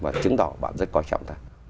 và chứng đỏ bạn rất quan trọng ta